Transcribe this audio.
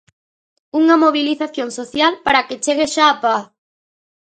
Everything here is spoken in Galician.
Unha mobilización social para que chegue xa a paz.